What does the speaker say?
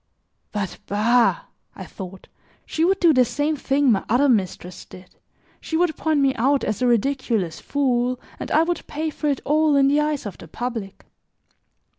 "But, bah," I thought, "she would do the same thing my other mistress did, she would point me out as a ridiculous fool, and I would pay for it all in the eyes of the public."